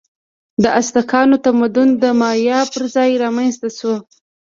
د ازتکانو تمدن د مایا پر ځای رامنځته شو.